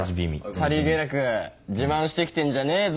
さりげなく自慢して来てんじゃねえぞ